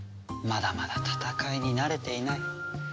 まだまだ戦いに慣れていない。